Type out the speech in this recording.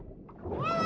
うん！